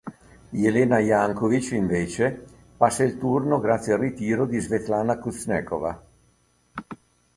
Jelena Janković, invece, passa il turno grazie al ritiro di Svetlana Kuznecova.